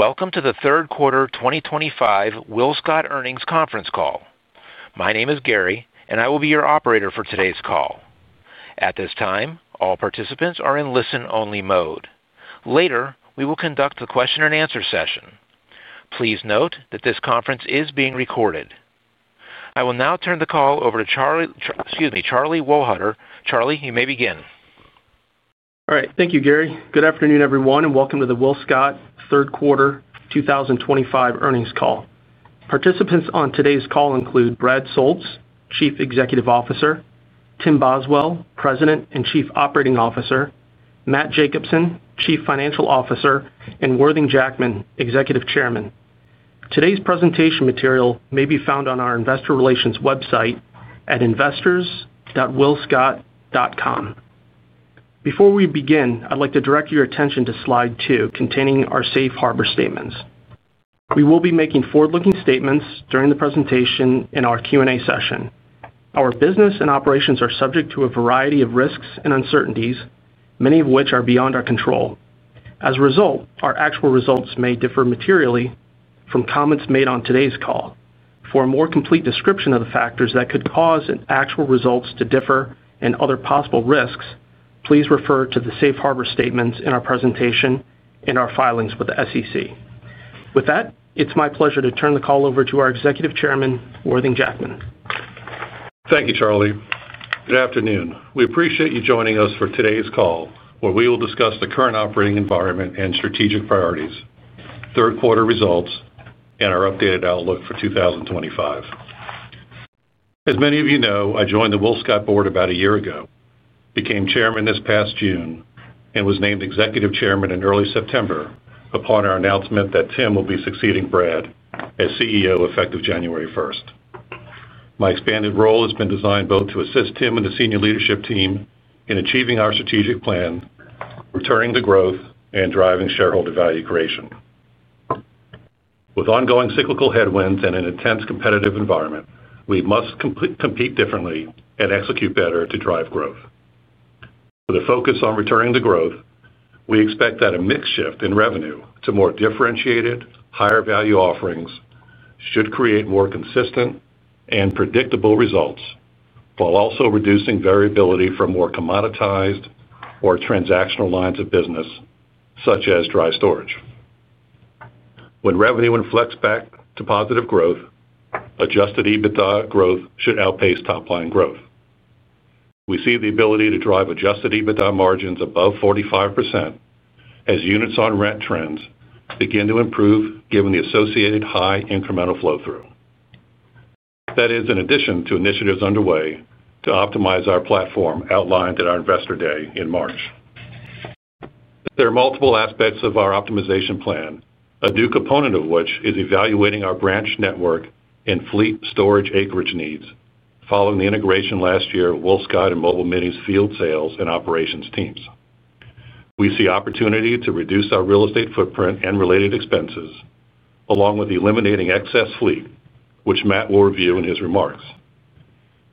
Welcome to the third quarter 2025 WillScot earnings conference call. My name is Gary, and I will be your operator for today's call. At this time, all participants are in listen-only mode. Later, we will conduct the question-and-answer session. Please note that this conference is being recorded. I will now turn the call over to Charlie, excuse me, Charlie Wohlhuter. Charlie, you may begin. All right. Thank you, Gary. Good afternoon, everyone, and welcome to the WillScot Mobile Mini Nick Girardi, third quarter 2025 earnings call. Participants on today's call include Brad Soultz, Chief Executive Officer; Tim Boswell, President and Chief Operating Officer; Matt Jacobsen, Chief Financial Officer; and Worthing Jackman, Executive Chairman. Today's presentation material may be found on our investor relations website at investors.willscot.com. Before we begin, I'd like to direct your attention to slide two, containing our safe harbor statements. We will be making forward-looking statements during the presentation in our Q&A session. Our business and operations are subject to a variety of risks and uncertainties, many of which are beyond our control. As a result, our actual results may differ materially from comments made on today's call. For a more complete description of the factors that could cause actual results to differ and other possible risks, please refer to the safe harbor statements in our presentation and our filings with the SEC. With that, it's my pleasure to turn the call over to our Executive Chairman, Worthing Jackman. Thank you, Charlie. Good afternoon. We appreciate you joining us for today's call, where we will discuss the current operating environment and strategic priorities, third quarter results, and our updated outlook for 2025. As many of you know, I joined the WillScot board about a year ago, became Chairman this past June, and was named Executive Chairman in early September upon our announcement that Tim will be succeeding Brad as CEO effective January 1st. My expanded role has been designed both to assist Tim and the senior leadership team in achieving our strategic plan, returning to growth, and driving shareholder value creation. With ongoing cyclical headwinds and an intense competitive environment, we must compete differently and execute better to drive growth. With a focus on returning to growth, we expect that a mix shift in revenue to more differentiated, higher value offerings should create more consistent and predictable results while also reducing variability from more commoditized or transactional lines of business, such as dry storage. When revenue inflects back to positive growth, adjusted EBITDA growth should outpace top-line growth. We see the ability to drive adjusted EBITDA margins above 45%. As units on rent trends begin to improve given the associated high incremental flow-through, that is in addition to initiatives underway to optimize our platform outlined at our investor day in March. There are multiple aspects of our optimization plan, a new component of which is evaluating our branch network and fleet storage acreage needs following the integration last year of WillScot Mobile Mini's field sales and operations teams. We see opportunity to reduce our real estate footprint and related expenses, along with eliminating excess fleet, which Matt will review in his remarks.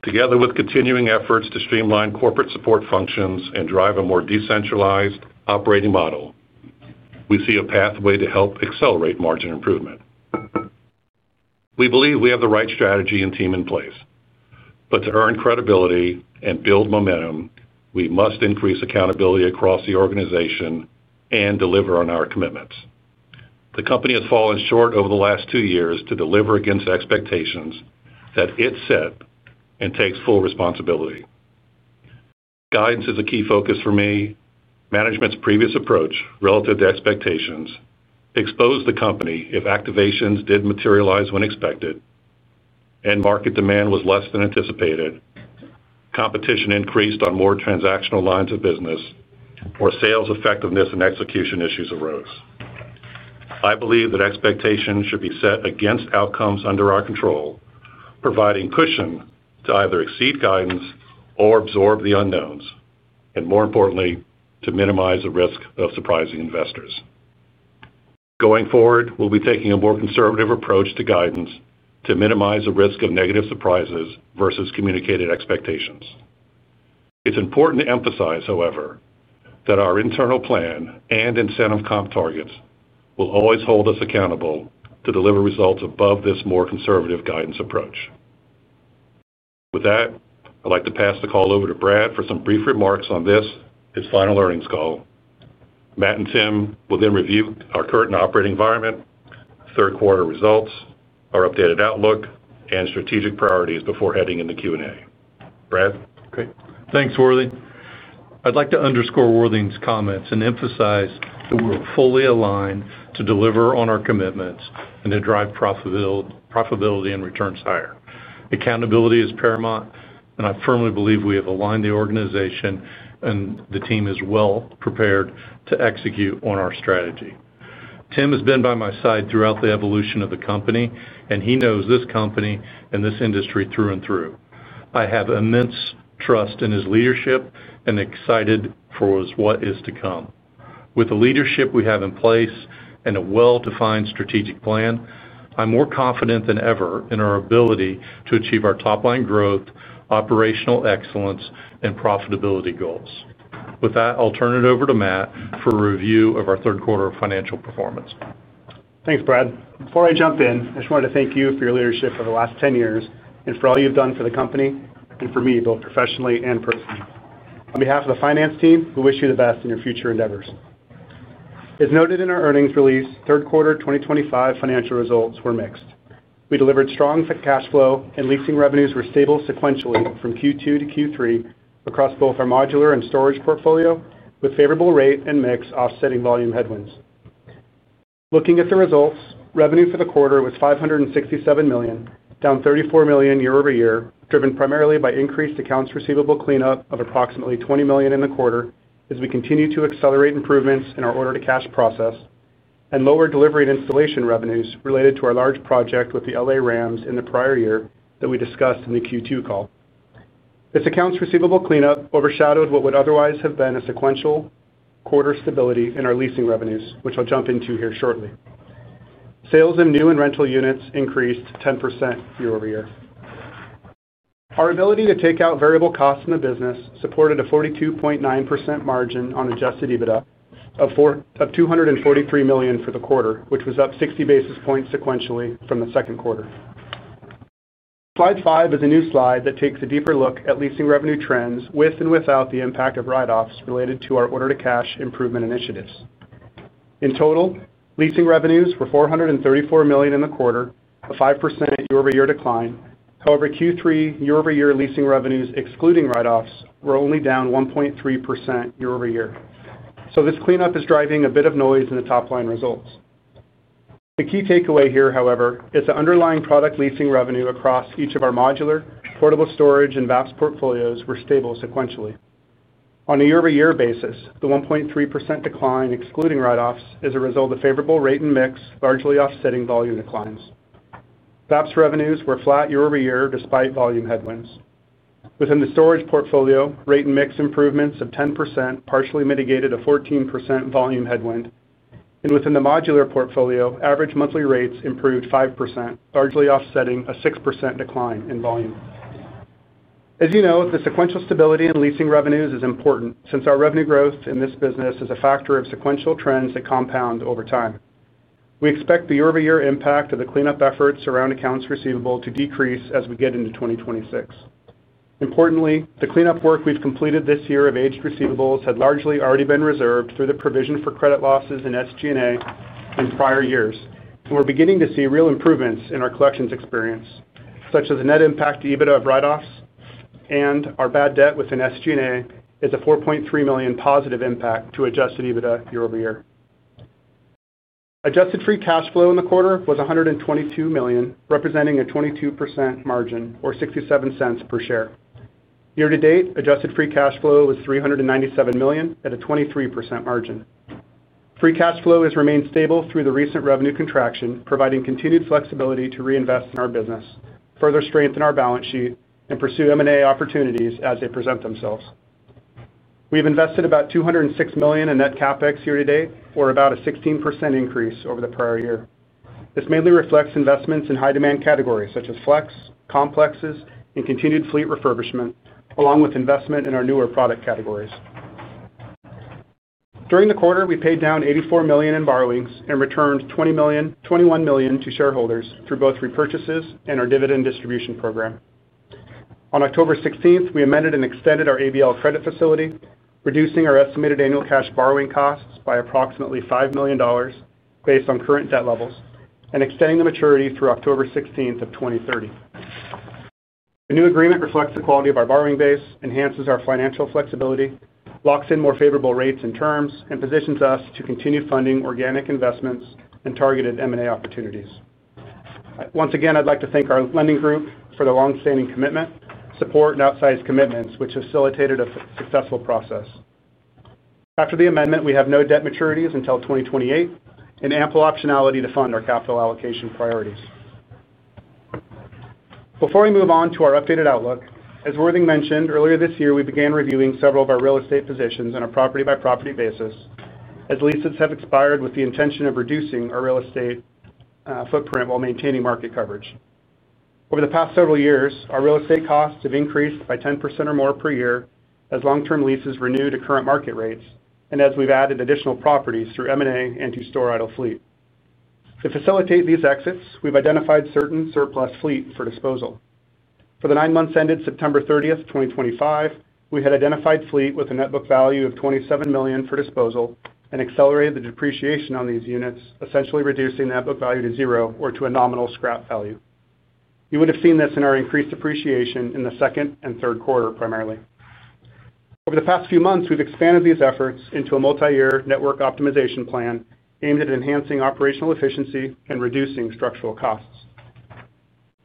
Together with continuing efforts to streamline corporate support functions and drive a more decentralized operating model, we see a pathway to help accelerate margin improvement. We believe we have the right strategy and team in place, but to earn credibility and build momentum, we must increase accountability across the organization and deliver on our commitments. The company has fallen short over the last two years to deliver against expectations that it set and takes full responsibility. Guidance is a key focus for me. Management's previous approach relative to expectations exposed the company if activations did materialize when expected. Market demand was less than anticipated. Competition increased on more transactional lines of business. Sales effectiveness and execution issues arose. I believe that expectations should be set against outcomes under our control, providing cushion to either exceed guidance or absorb the unknowns, and more importantly, to minimize the risk of surprising investors. Going forward, we'll be taking a more conservative approach to guidance to minimize the risk of negative surprises versus communicated expectations. It's important to emphasize, however, that our internal plan and incentive comp targets will always hold us accountable to deliver results above this more conservative guidance approach. With that, I'd like to pass the call over to Brad for some brief remarks on this, his final earnings call. Matt and Tim will then review our current operating environment, third quarter results, our updated outlook, and strategic priorities before heading into Q&A. Brad? Okay. Thanks, Worthing. I'd like to underscore Worthing's comments and emphasize that we're fully aligned to deliver on our commitments and to drive profitability and returns higher. Accountability is paramount, and I firmly believe we have aligned the organization and the team as well prepared to execute on our strategy. Tim has been by my side throughout the evolution of the company, and he knows this company and this industry through and through. I have immense trust in his leadership and excited for what is to come. With the leadership we have in place and a well-defined strategic plan, I'm more confident than ever in our ability to achieve our top-line growth, operational excellence, and profitability goals. With that, I'll turn it over to Matt for a review of our third quarter financial performance. Thanks, Brad. Before I jump in, I just wanted to thank you for your leadership for the last 10 years and for all you've done for the company and for me, both professionally and personally. On behalf of the finance team, we wish you the best in your future endeavors. As noted in our earnings release, third quarter 2025 financial results were mixed. We delivered strong cash flow, and leasing revenues were stable sequentially from Q2 to Q3 across both our modular and storage portfolio with favorable rate and mix offsetting volume headwinds. Looking at the results, revenue for the quarter was $567 million, down $34 million year-over-year, driven primarily by increased accounts receivable cleanup of approximately $20 million in the quarter as we continue to accelerate improvements in our order-to-cash process. Lower delivery and installation revenues related to our large project with the LA Rams in the prior year that we discussed in the Q2 call. This accounts receivable cleanup overshadowed what would otherwise have been a sequential quarter stability in our leasing revenues, which I'll jump into here shortly. Sales in new and rental units increased 10% year-over-year. Our ability to take out variable costs in the business supported a 42.9% margin on adjusted EBITDA of $243 million for the quarter, which was up 60 basis points sequentially from the second quarter. Slide five is a new slide that takes a deeper look at leasing revenue trends with and without the impact of write-offs related to our order-to-cash improvement initiatives. In total, leasing revenues were $434 million in the quarter, a 5% year-over-year decline. However, Q3 year-over-year leasing revenues excluding write-offs were only down 1.3% year-over-year. This cleanup is driving a bit of noise in the top-line results. The key takeaway here, however, is the underlying product leasing revenue across each of our modular, portable storage, and VAPS portfolios were stable sequentially. On a year-over-year basis, the 1.3% decline excluding write-offs is a result of favorable rate and mix, largely offsetting volume declines. VAPS revenues were flat year-over-year despite volume headwinds. Within the storage portfolio, rate and mix improvements of 10% partially mitigated a 14% volume headwind. Within the modular portfolio, average monthly rates improved 5%, largely offsetting a 6% decline in volume. As you know, the sequential stability in leasing revenues is important since our revenue growth in this business is a factor of sequential trends that compound over time. We expect the year-over-year impact of the cleanup efforts around accounts receivable to decrease as we get into 2026. Importantly, the cleanup work we've completed this year of aged receivables had largely already been reserved through the provision for credit losses in SG&A in prior years, and we're beginning to see real improvements in our collections experience, such as the net impact to EBITDA of write-offs and our bad debt within SG&A is a $4.3 million positive impact to adjusted EBITDA year-over-year. Adjusted free cash flow in the quarter was $122 million, representing a 22% margin or $0.67 per share. Year-to-date, adjusted free cash flow was $397 million at a 23% margin. Free cash flow has remained stable through the recent revenue contraction, providing continued FLEXibility to reinvest in our business, further strengthen our balance sheet, and pursue M&A opportunities as they present themselves. We've invested about $206 million in net CapEx year-to-date for about a 16% increase over the prior year. This mainly reflects investments in high-demand categories such as FLEX, Complexes, and continued fleet refurbishment, along with investment in our newer product categories. During the quarter, we paid down $84 million in borrowings and returned $21 million to shareholders through both repurchases and our dividend distribution program. On October 16th, we amended and extended our ABL Credit Facility, reducing our estimated annual cash borrowing costs by approximately $5 million, based on current debt levels and extending the maturity through October 16th of 2030. The new agreement reflects the quality of our borrowing base, enhances our financial FLEXibility, locks in more favorable rates and terms, and positions us to continue funding organic investments and targeted M&A opportunities. Once again, I'd like to thank our lending group for the long-standing commitment, support, and outsized commitments, which facilitated a successful process. After the amendment, we have no debt maturities until 2028 and ample optionality to fund our capital allocation priorities. Before we move on to our updated outlook, as Worthing mentioned earlier this year, we began reviewing several of our real estate positions on a property-by-property basis as leases have expired with the intention of reducing our real estate footprint while maintaining market coverage. Over the past several years, our real estate costs have increased by 10% or more per year as long-term leases renewed at current market rates and as we've added additional properties through M&A and to store idle fleet. To facilitate these exits, we've identified certain surplus fleet for disposal. For the nine months ended September 30, 2025, we had identified fleet with a net book value of $27 million for disposal and accelerated the depreciation on these units, essentially reducing the net book value to zero or to a nominal scrap value. You would have seen this in our increased depreciation in the second and third quarter primarily. Over the past few months, we've expanded these efforts into a multi-year network optimization plan aimed at enhancing operational efficiency and reducing structural costs.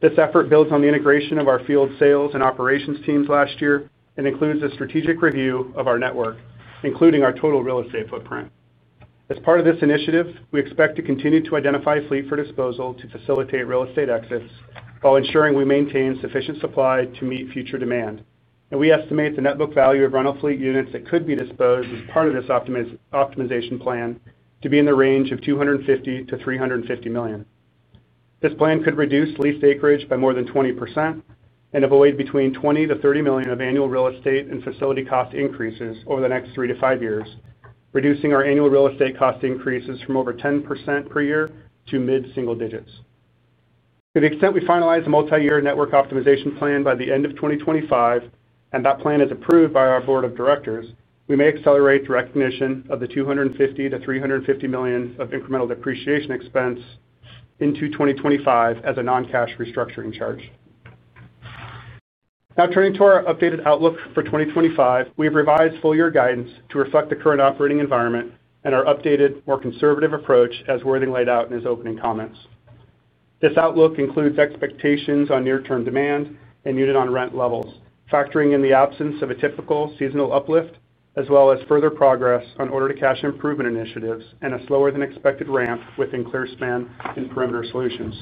This effort builds on the integration of our field sales and operations teams last year and includes a strategic review of our network, including our total real estate footprint. As part of this initiative, we expect to continue to identify fleet for disposal to facilitate real estate exits while ensuring we maintain sufficient supply to meet future demand. We estimate the net book value of rental fleet units that could be disposed as part of this optimization plan to be in the range of $250 million-$350 million. This plan could reduce leased acreage by more than 20% and avoid between $20 million-$30 million of annual real estate and facility cost increases over the next three to five years, reducing our annual real estate cost increases from over 10% per year to mid-single digits. To the extent we finalize the multi-year network optimization plan by the end of 2025 and that plan is approved by our board of directors, we may accelerate the recognition of the $250 million-$350 million of incremental depreciation expense into 2025 as a non-cash restructuring charge. Now, turning to our updated outlook for 2025, we have revised full-year guidance to reflect the current operating environment and our updated, more conservative approach, as Worthing laid out in his opening comments. This outlook includes expectations on near-term demand and units on rent levels, factoring in the absence of a typical seasonal uplift as well as further progress on order-to-cash improvement initiatives and a slower-than-expected ramp within Clearspan and Perimeter Solutions.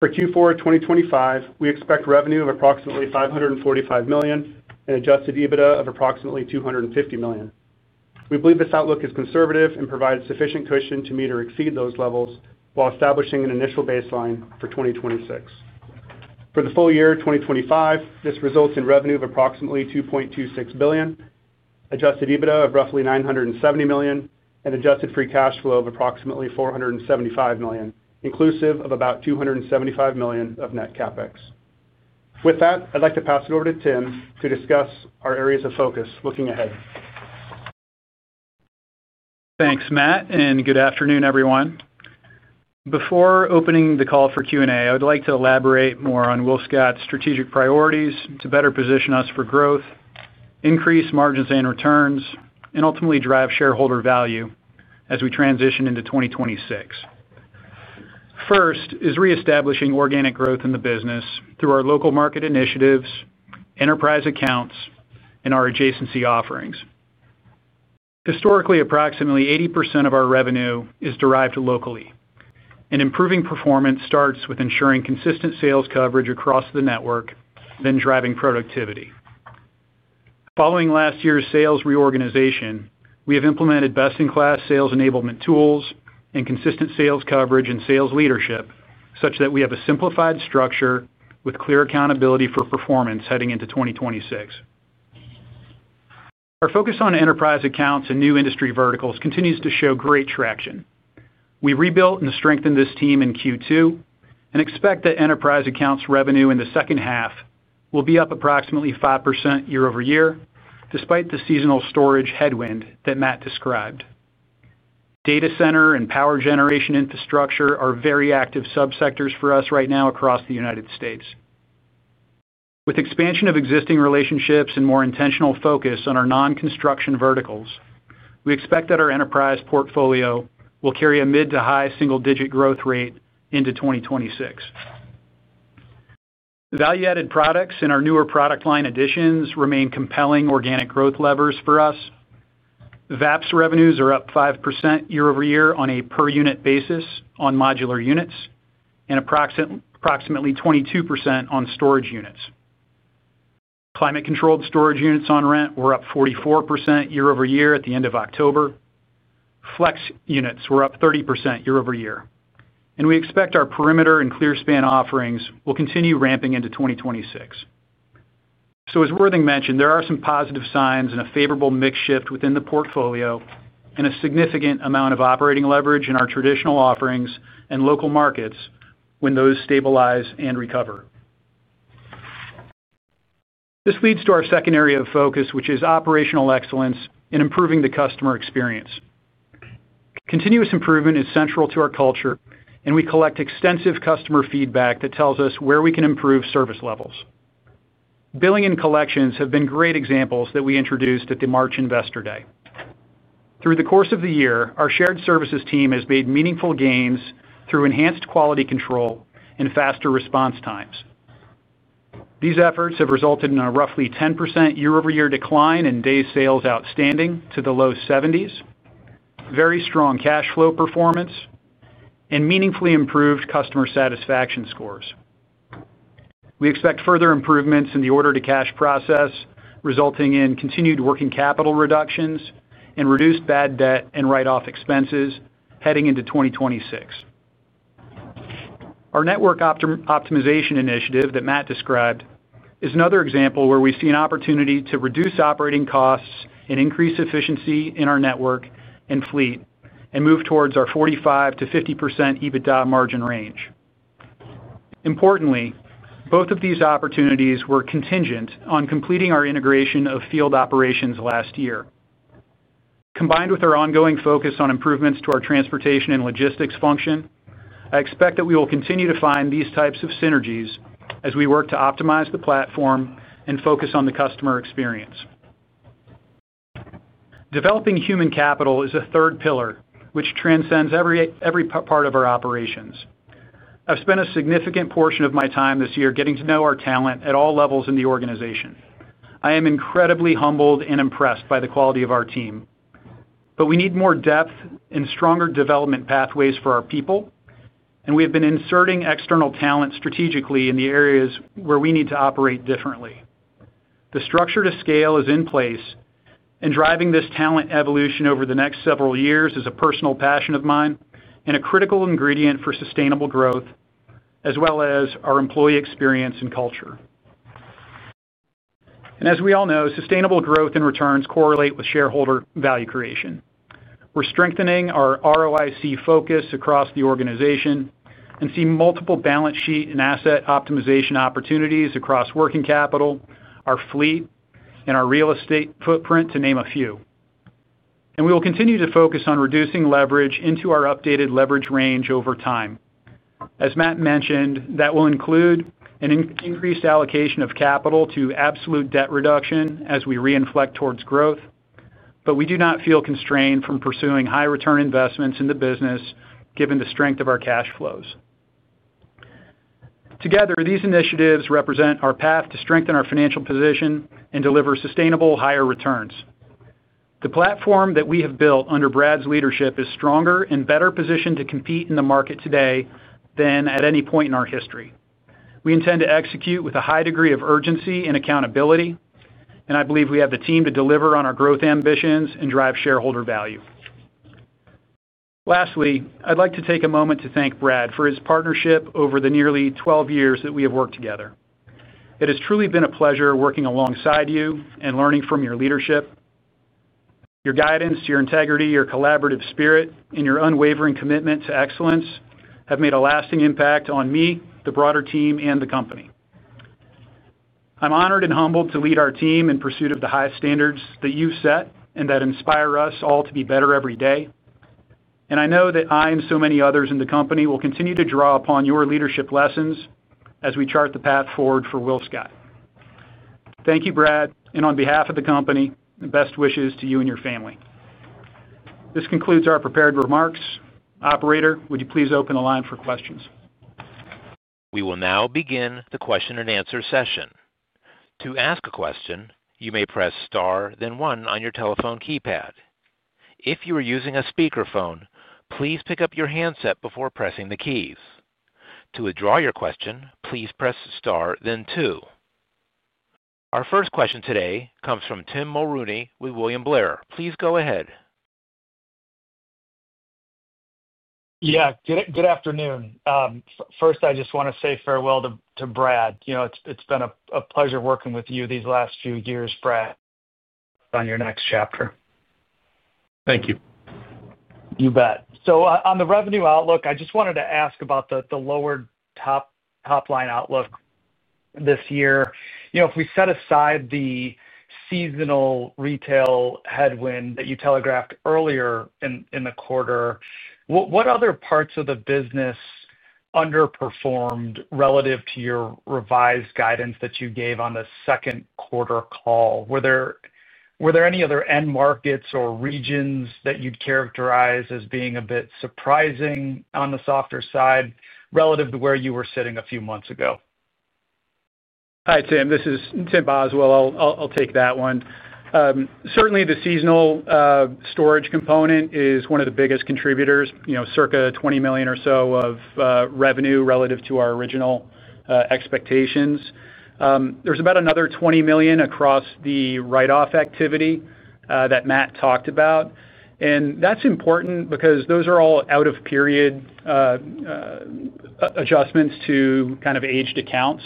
For Q4 2025, we expect revenue of approximately $545 million and adjusted EBITDA of approximately $250 million. We believe this outlook is conservative and provides sufficient cushion to meet or exceed those levels while establishing an initial baseline for 2026. For the full year 2025, this results in revenue of approximately $2.26 billion, adjusted EBITDA of roughly $970 million, and adjusted free cash flow of approximately $475 million, inclusive of about $275 million of net CapEx. With that, I'd like to pass it over to Tim to discuss our areas of focus looking ahead. Thanks, Matt, and good afternoon, everyone. Before opening the call for Q&A, I would like to elaborate more on WillScot's strategic priorities to better position us for growth, increase margins and returns, and ultimately drive shareholder value as we transition into 2026. First is reestablishing organic growth in the business through our local market initiatives, enterprise accounts, and our adjacency offerings. Historically, approximately 80% of our revenue is derived locally, and improving performance starts with ensuring consistent sales coverage across the network, then driving productivity. Following last year's sales reorganization, we have implemented best-in-class sales enablement tools and consistent sales coverage and sales leadership such that we have a simplified structure with clear accountability for performance heading into 2026. Our focus on enterprise accounts and new industry verticals continues to show great traction. We rebuilt and strengthened this team in Q2 and expect that enterprise accounts revenue in the second half will be up approximately 5% year-over-year, despite the seasonal storage headwind that Matt described. Data center and power generation infrastructure are very active subsectors for us right now across the U.S. With expansion of existing relationships and more intentional focus on our non-construction verticals, we expect that our enterprise portfolio will carry a mid to high single-digit growth rate into 2026. Value-added products and our newer product line additions remain compelling organic growth levers for us. VAPS revenues are up 5% year-over-year on a per-unit basis on modular units and approximately 22% on storage units. Climate-controlled storage units on rent were up 44% year-over-year at the end of October. FLEX units were up 30% year-over-year. We expect our Perimeter and Clearspan offerings will continue ramping into 2026. As Worthing mentioned, there are some positive signs and a favorable mix shift within the portfolio and a significant amount of operating leverage in our traditional offerings and local markets when those stabilize and recover. This leads to our second area of focus, which is operational excellence in improving the customer experience. Continuous improvement is central to our culture, and we collect extensive customer feedback that tells us where we can improve service levels. Billing and collections have been great examples that we introduced at the March Investor Day. Through the course of the year, our shared services team has made meaningful gains through enhanced quality control and faster response times. These efforts have resulted in a roughly 10% year-over-year decline in day sales outstanding to the low 70s, very strong cash flow performance, and meaningfully improved customer satisfaction scores. We expect further improvements in the order-to-cash process. Resulting in continued working capital reductions and reduced bad debt and write-off expenses heading into 2026. Our network optimization initiative that Matt described is another example where we see an opportunity to reduce operating costs and increase efficiency in our network and fleet and move towards our 45%-50% EBITDA margin range. Importantly, both of these opportunities were contingent on completing our integration of field operations last year. Combined with our ongoing focus on improvements to our transportation and logistics function, I expect that we will continue to find these types of synergies as we work to optimize the platform and focus on the customer experience. Developing human capital is a third pillar, which transcends every part of our operations. I've spent a significant portion of my time this year getting to know our talent at all levels in the organization. I am incredibly humbled and impressed by the quality of our team. We need more depth and stronger development pathways for our people. We have been inserting external talent strategically in the areas where we need to operate differently. The structure to scale is in place, and driving this talent evolution over the next several years is a personal passion of mine and a critical ingredient for sustainable growth, as well as our employee experience and culture. As we all know, sustainable growth and returns correlate with shareholder value creation. We're strengthening our ROIC focus across the organization and see multiple balance sheet and asset optimization opportunities across working capital, our fleet, and our real estate footprint, to name a few. We will continue to focus on reducing leverage into our updated leverage range over time. As Matt mentioned, that will include an increased allocation of capital to absolute debt reduction as we reinflect towards growth, but we do not feel constrained from pursuing high-return investments in the business given the strength of our cash flows. Together, these initiatives represent our path to strengthen our financial position and deliver sustainable, higher returns. The platform that we have built under Brad's leadership is stronger and better positioned to compete in the market today than at any point in our history. We intend to execute with a high degree of urgency and accountability, and I believe we have the team to deliver on our growth ambitions and drive shareholder value. Lastly, I'd like to take a moment to thank Brad for his partnership over the nearly 12 years that we have worked together. It has truly been a pleasure working alongside you and learning from your leadership. Your guidance, your integrity, your collaborative spirit, and your unwavering commitment to excellence have made a lasting impact on me, the broader team, and the company. I'm honored and humbled to lead our team in pursuit of the highest standards that you've set and that inspire us all to be better every day. I know that I and so many others in the company will continue to draw upon your leadership lessons as we chart the path forward for WillScot. Thank you, Brad, and on behalf of the company, the best wishes to you and your family. This concludes our prepared remarks. Operator, would you please open the line for questions? We will now begin the question-and-answer session. To ask a question, you may press star, then one on your telephone keypad. If you are using a speakerphone, please pick up your handset before pressing the keys. To withdraw your question, please press star, then two. Our first question today comes from Tim Mulroney with William Blair. Please go ahead. Yeah. Good afternoon. First, I just want to say farewell to Brad. It's been a pleasure working with you these last few years, Brad. On your next chapter. Thank you. You bet. On the revenue outlook, I just wanted to ask about the lower top line outlook this year. If we set aside the seasonal retail headwind that you telegraphed earlier in the quarter, what other parts of the business underperformed relative to your revised guidance that you gave on the second quarter call? Were there any other end markets or regions that you'd characterize as being a bit surprising on the softer side relative to where you were sitting a few months ago? Hi, Tim. This is Tim Boswell. I'll take that one. Certainly, the seasonal storage component is one of the biggest contributors, circa $20 million or so of revenue relative to our original expectations. There's about another $20 million across the write-off activity that Matt talked about. And that's important because those are all out-of-period adjustments to kind of aged accounts.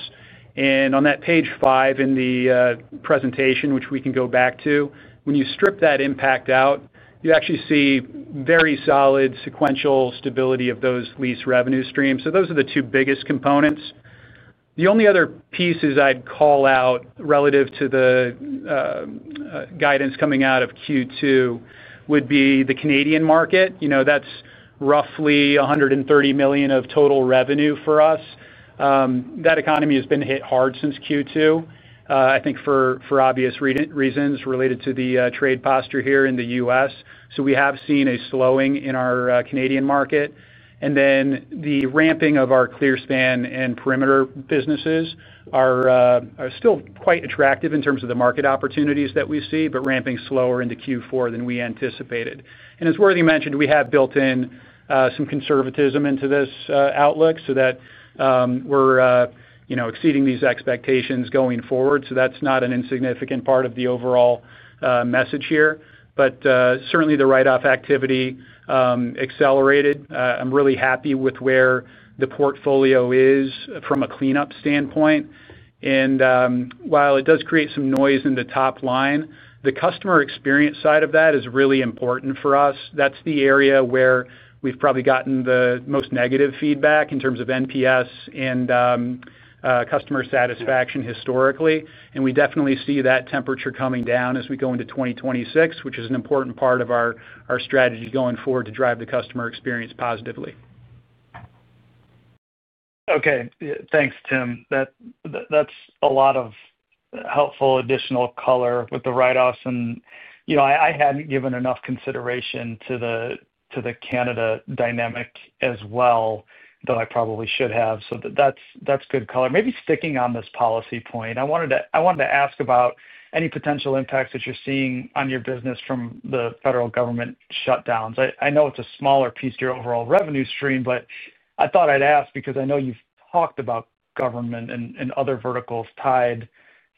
On that page five in the presentation, which we can go back to, when you strip that impact out, you actually see very solid sequential stability of those lease revenue streams. Those are the two biggest components. The only other pieces I'd call out relative to the guidance coming out of Q2 would be the Canadian market. That's roughly $130 million of total revenue for us. That economy has been hit hard since Q2, I think, for obvious reasons related to the trade posture here in the U.S. We have seen a slowing in our Canadian market. The ramping of our Clearspan and Perimeter businesses are still quite attractive in terms of the market opportunities that we see, but ramping slower into Q4 than we anticipated. As Worthing mentioned, we have built in some conservatism into this outlook so that we are exceeding these expectations going forward. That is not an insignificant part of the overall message here. Certainly, the write-off activity accelerated. I am really happy with where the portfolio is from a cleanup standpoint. While it does create some noise in the top line, the customer experience side of that is really important for us. That is the area where we have probably gotten the most negative feedback in terms of NPS and customer satisfaction historically. We definitely see that temperature coming down as we go into 2026, which is an important part of our strategy going forward to drive the customer experience positively. Okay. Thanks, Tim. That's a lot of helpful additional color with the write-offs. And I hadn't given enough consideration to the Canada dynamic as well, though I probably should have. That's good color. Maybe sticking on this policy point, I wanted to ask about any potential impacts that you're seeing on your business from the federal government shutdowns. I know it's a smaller piece to your overall revenue stream, but I thought I'd ask because I know you've talked about government and other verticals tied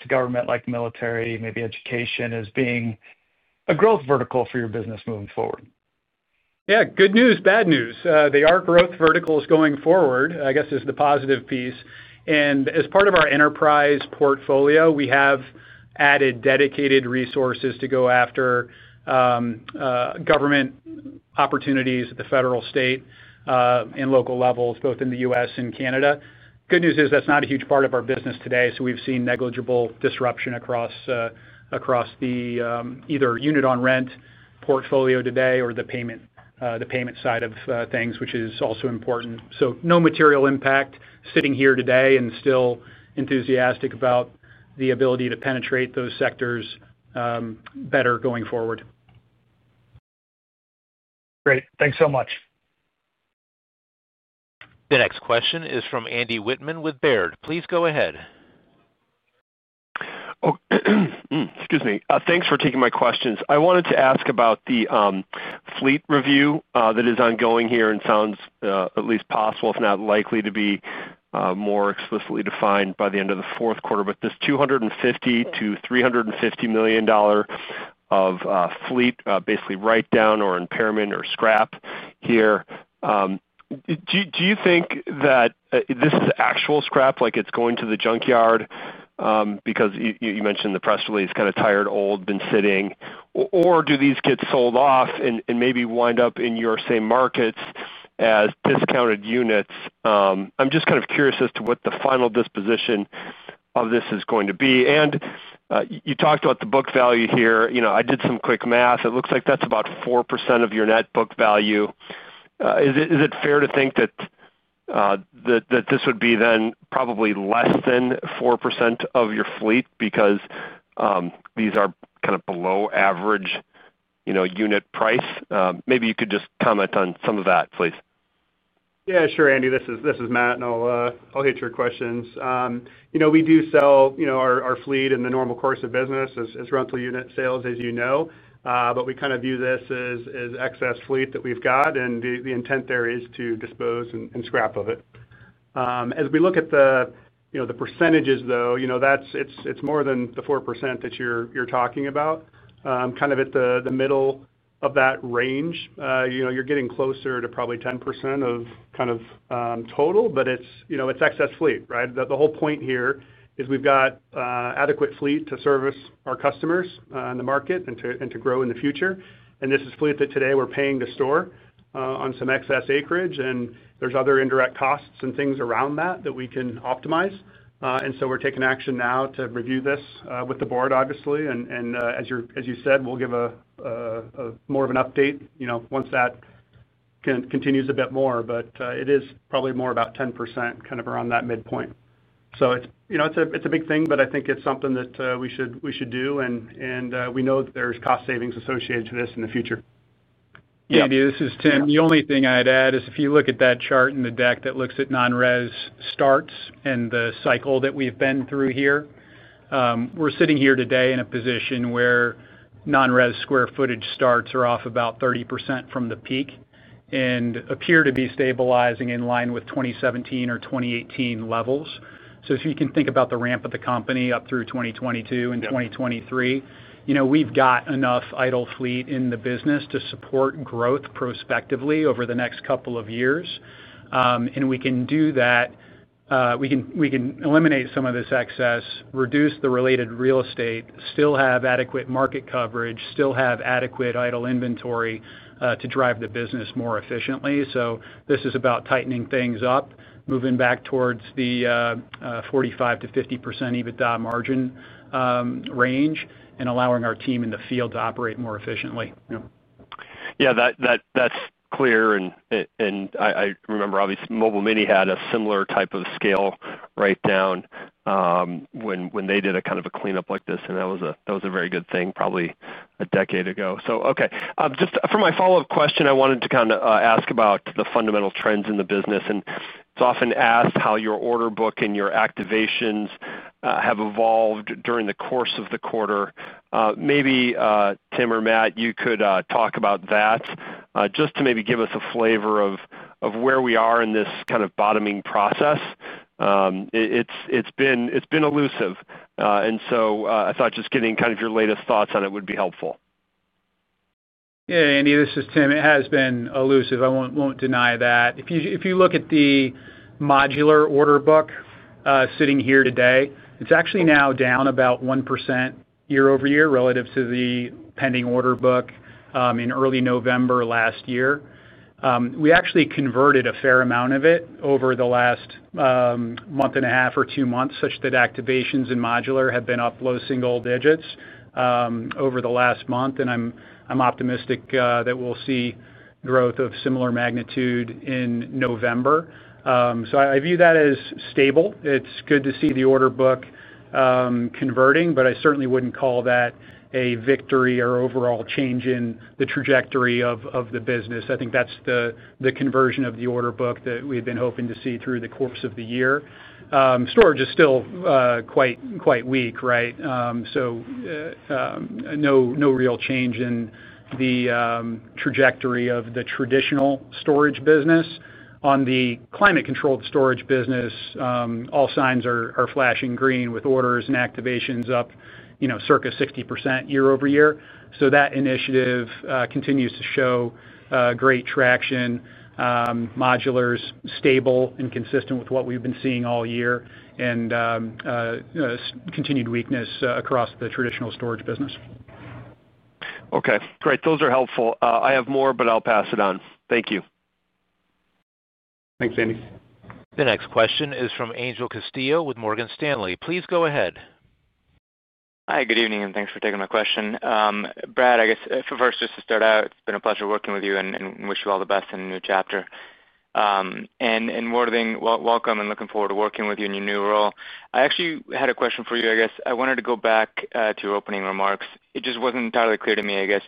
to government like military, maybe education as being a growth vertical for your business moving forward. Yeah. Good news, bad news. They are growth verticals going forward, I guess, is the positive piece. As part of our enterprise portfolio, we have added dedicated resources to go after government opportunities at the federal, state, and local levels, both in the U.S. and Canada. Good news is that's not a huge part of our business today. We have seen negligible disruption across the either unit-on-rent portfolio today or the payment side of things, which is also important. No material impact sitting here today and still enthusiastic about the ability to penetrate those sectors better going forward. Great. Thanks so much. The next question is from Andy Wittmann with Baird. Please go ahead. Excuse me. Thanks for taking my questions. I wanted to ask about the fleet review that is ongoing here and sounds at least possible, if not likely, to be more explicitly defined by the end of the fourth quarter. But this $250 million-$350 million of fleet, basically write-down or impairment or scrap here. Do you think that this is actual scrap, like it's going to the junkyard because you mentioned the press release kind of tired, old, been sitting? Or do these get sold off and maybe wind up in your same markets as discounted units? I'm just kind of curious as to what the final disposition of this is going to be. You talked about the book value here. I did some quick math. It looks like that's about 4% of your net book value. Is it fair to think that. This would be then probably less than 4% of your fleet because these are kind of below average unit price? Maybe you could just comment on some of that, please. Yeah. Sure, Andy. This is Matt. I'll hit your questions. We do sell our fleet in the normal course of business as rental unit sales, as you know. We kind of view this as excess fleet that we've got. The intent there is to dispose and scrap of it. As we look at the percentages, though, it's more than the 4% that you're talking about. Kind of at the middle of that range. You're getting closer to probably 10% of kind of total, but it's excess fleet, right? The whole point here is we've got adequate fleet to service our customers in the market and to grow in the future. This is fleet that today we're paying to store on some excess acreage. There are other indirect costs and things around that that we can optimize. We're taking action now to review this with the board, obviously. As you said, we'll give more of an update once that continues a bit more. It is probably more about 10% kind of around that midpoint. It's a big thing, but I think it's something that we should do. We know that there's cost savings associated to this in the future. Yeah. This is Tim. The only thing I'd add is if you look at that chart in the deck that looks at nonres starts and the cycle that we've been through here. We're sitting here today in a position where nonres square footage starts are off about 30% from the peak and appear to be stabilizing in line with 2017 or 2018 levels. If you can think about the ramp of the company up through 2022 and 2023, we've got enough idle fleet in the business to support growth prospectively over the next couple of years. We can do that. We can eliminate some of this excess, reduce the related real estate, still have adequate market coverage, still have adequate idle inventory to drive the business more efficiently. This is about tightening things up, moving back towards the 45%-50% EBITDA margin. Range and allowing our team in the field to operate more efficiently. Yeah. That's clear. I remember, obviously, Mobile Mini had a similar type of scale write-down when they did a kind of a cleanup like this. That was a very good thing, probably a decade ago. Okay. Just for my follow-up question, I wanted to kind of ask about the fundamental trends in the business. It's often asked how your order book and your activations have evolved during the course of the quarter. Maybe, Tim or Matt, you could talk about that. Just to maybe give us a flavor of where we are in this kind of bottoming process. It's been elusive. I thought just getting kind of your latest thoughts on it would be helpful. Yeah, Andy, this is Tim. It has been elusive. I won't deny that. If you look at the modular order book sitting here today, it's actually now down about 1% year-over-year relative to the pending order book in early November last year. We actually converted a fair amount of it over the last month and a half or two months, such that activations in modular have been up low single digits over the last month. I'm optimistic that we'll see growth of similar magnitude in November. I view that as stable. It's good to see the order book converting, but I certainly wouldn't call that a victory or overall change in the trajectory of the business. I think that's the conversion of the order book that we've been hoping to see through the course of the year. Storage is still quite weak, right? No real change in the trajectory of the traditional storage business. On the climate-controlled storage business, all signs are flashing green with orders and activations up circa 60% year-over-year. That initiative continues to show great traction. Modular is stable and consistent with what we've been seeing all year. Continued weakness across the traditional storage business. Okay. Great. Those are helpful. I have more, but I'll pass it on. Thank you. Thanks, Andy. The next question is from Angel Castillo with Morgan Stanley. Please go ahead. Hi, good evening, and thanks for taking my question. Brad, I guess, first, just to start out, it's been a pleasure working with you and wish you all the best in the new chapter. More than welcome and looking forward to working with you in your new role. I actually had a question for you, I guess. I wanted to go back to your opening remarks. It just wasn't entirely clear to me, I guess,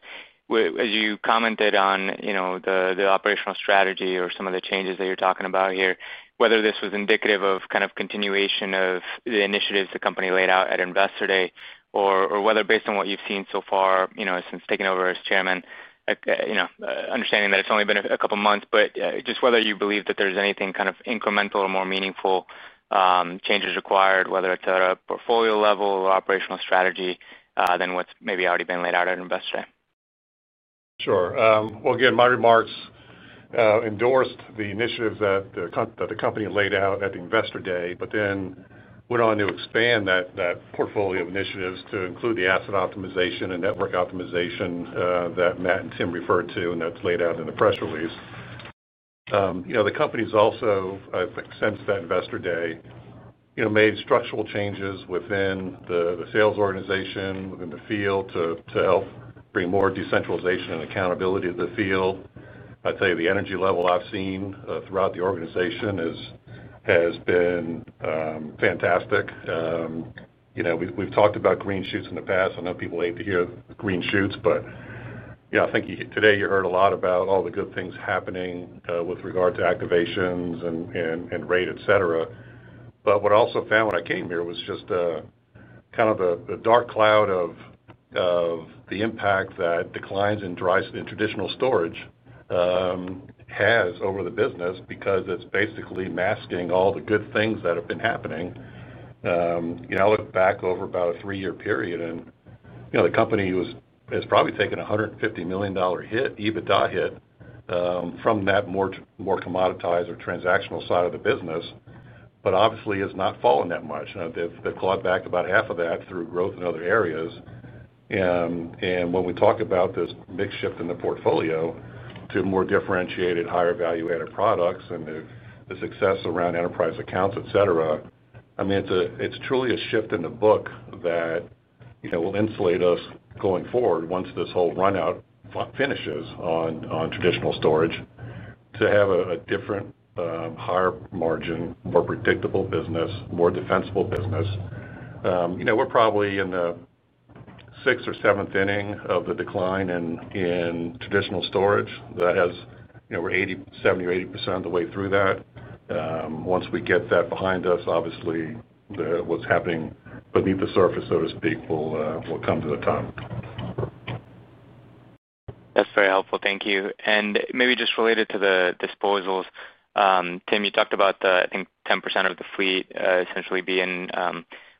as you commented on the operational strategy or some of the changes that you're talking about here, whether this was indicative of kind of continuation of the initiatives the company laid out at Investor Day or whether based on what you've seen so far since taking over as chairman. Understanding that it's only been a couple of months, just whether you believe that there's anything kind of incremental or more meaningful. Changes required, whether it's at a portfolio level or operational strategy than what's maybe already been laid out at Investor Day. Sure. Again, my remarks endorsed the initiatives that the company laid out at Investor Day, but then went on to expand that portfolio of initiatives to include the asset optimization and network optimization that Matt and Tim referred to and that is laid out in the press release. The company has also, I think, since that Investor Day, made structural changes within the sales organization, within the field, to help bring more decentralization and accountability to the field. I would say the energy level I have seen throughout the organization has been fantastic. We have talked about green shoots in the past. I know people hate to hear green shoots, but I think today you heard a lot about all the good things happening with regard to activations and rate, etc. What I also found when I came here was just kind of the dark cloud of. The impact that declines in traditional storage has over the business because it's basically masking all the good things that have been happening. I looked back over about a three-year period, and the company has probably taken a $150 million EBITDA hit from that more commoditized or transactional side of the business. Obviously, it's not fallen that much. They've clawed back about half of that through growth in other areas. When we talk about this big shift in the portfolio to more differentiated, higher value-added products and the success around enterprise accounts, etc., I mean, it's truly a shift in the book that will insulate us going forward once this whole run-out finishes on traditional storage to have a different, higher margin, more predictable business, more defensible business. We're probably in the sixth or seventh inning of the decline in traditional storage. That has, we're 70% or 80% of the way through that. Once we get that behind us, obviously, what's happening beneath the surface, so to speak, will come to the top. That's very helpful. Thank you. Maybe just related to the disposals. Tim, you talked about the, I think, 10% of the fleet essentially being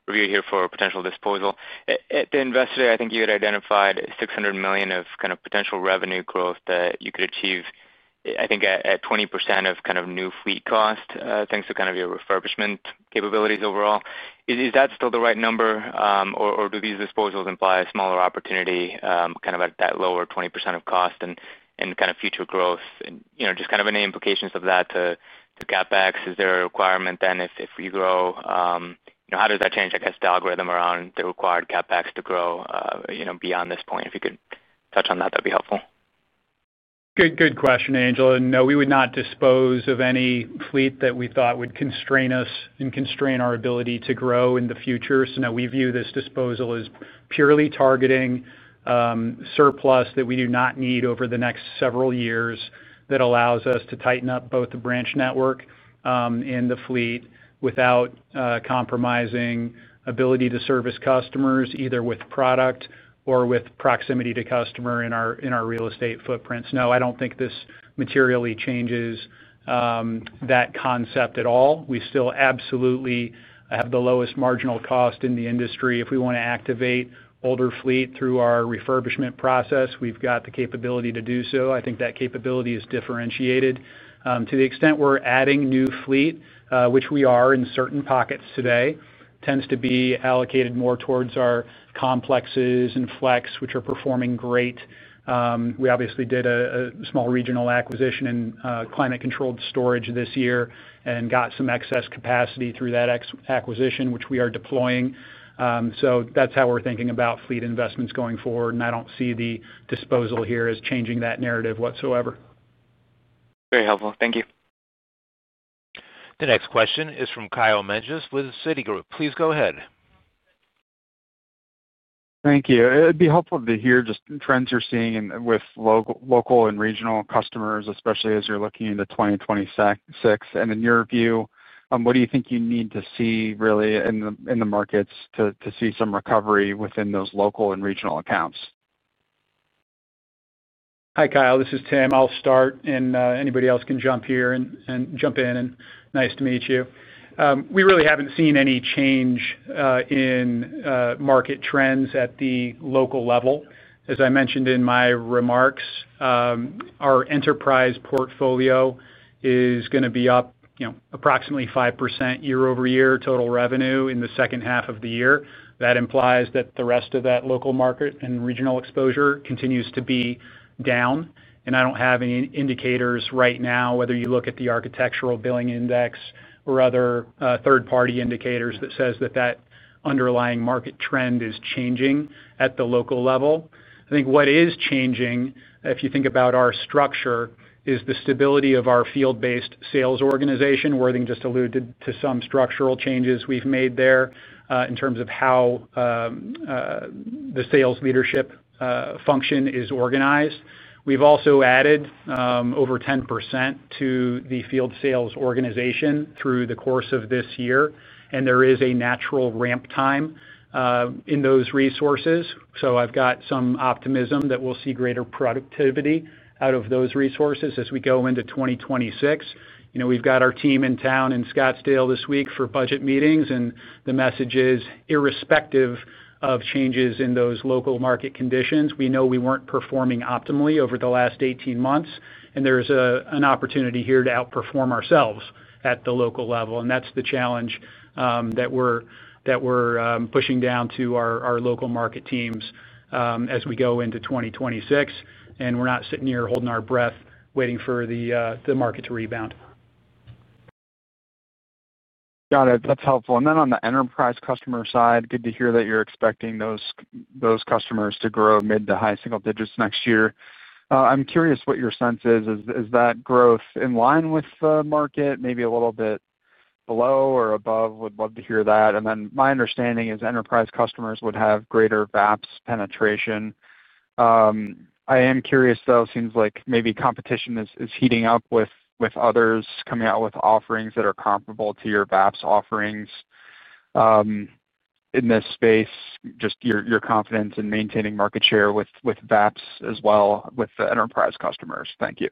reviewed here for potential disposal. At the Investor Day, I think you had identified $600 million of kind of potential revenue growth that you could achieve, I think, at 20% of kind of new fleet cost, thanks to kind of your refurbishment capabilities overall. Is that still the right number? Or do these disposals imply a smaller opportunity kind of at that lower 20% of cost and kind of future growth? Just kind of any implications of that to CapEx? Is there a requirement then if we grow? How does that change, I guess, the algorithm around the required CapEx to grow beyond this point? If you could touch on that, that'd be helpful. Good question, Angel. No, we would not dispose of any fleet that we thought would constrain us and constrain our ability to grow in the future. We view this disposal as purely targeting surplus that we do not need over the next several years. That allows us to tighten up both the branch network and the fleet without compromising ability to service customers, either with product or with proximity to customer in our real estate footprints. No, I do not think this materially changes that concept at all. We still absolutely have the lowest marginal cost in the industry. If we want to activate older fleet through our refurbishment process, we have the capability to do so. I think that capability is differentiated. To the extent we're adding new fleet, which we are in certain pockets today, tends to be allocated more towards our complexes and FLEX, which are performing great. We obviously did a small regional acquisition in climate-controlled storage this year and got some excess capacity through that acquisition, which we are deploying. That's how we're thinking about fleet investments going forward. I don't see the disposal here as changing that narrative whatsoever. Very helpful. Thank you. The next question is from Kyle Menges with Citigroup. Please go ahead. Thank you. It'd be helpful to hear just trends you're seeing with local and regional customers, especially as you're looking into 2026. In your view, what do you think you need to see really in the markets to see some recovery within those local and regional accounts? Hi, Kyle. This is Tim. I'll start, and anybody else can jump in. Nice to meet you. We really haven't seen any change in market trends at the local level. As I mentioned in my remarks, our enterprise portfolio is going to be up approximately 5% year-over-year total revenue in the second half of the year. That implies that the rest of that local market and regional exposure continues to be down. I don't have any indicators right now, whether you look at the Architectural Billing Index or other third-party indicators, that says that that underlying market trend is changing at the local level. I think what is changing, if you think about our structure, is the stability of our field-based sales organization. Worthing just alluded to some structural changes we've made there in terms of how the sales leadership function is organized. We've also added over 10% to the field sales organization through the course of this year. There is a natural ramp time in those resources. I've got some optimism that we'll see greater productivity out of those resources as we go into 2026. We've got our team in town in Scottsdale this week for budget meetings. The message is, irrespective of changes in those local market conditions, we know we weren't performing optimally over the last 18 months. There is an opportunity here to outperform ourselves at the local level. That's the challenge that we're pushing down to our local market teams as we go into 2026. We're not sitting here holding our breath waiting for the market to rebound. Got it. That's helpful. On the enterprise customer side, good to hear that you're expecting those customers to grow mid to high single digits next year. I'm curious what your sense is. Is that growth in line with the market, maybe a little bit below or above? Would love to hear that. My understanding is enterprise customers would have greater VAPS penetration. I am curious, though. It seems like maybe competition is heating up with others coming out with offerings that are comparable to your VAPS offerings. In this space, just your confidence in maintaining market share with VAPS as well with the enterprise customers. Thank you.